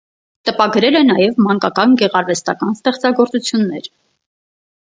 Տպագրել է նաև մանկական գեղարվեստական ստեղծագործություններ։